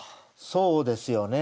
そうですよね。